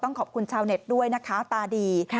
ขอบคุณชาวเน็ตด้วยนะคะตาดี